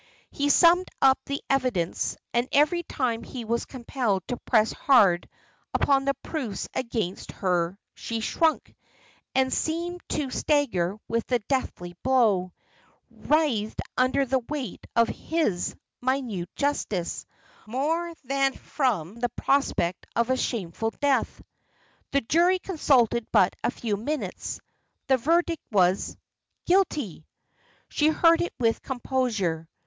He summed up the evidence; and every time he was compelled to press hard upon the proofs against her she shrunk, and seemed to stagger with the deadly blow; writhed under the weight of his minute justice, more than from the prospect of a shameful death. The jury consulted but a few minutes. The verdict was "Guilty." She heard it with composure.